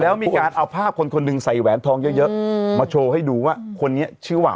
แล้วมีการเอาภาพคนคนหนึ่งใส่แหวนทองเยอะมาโชว์ให้ดูว่าคนนี้ชื่อว่า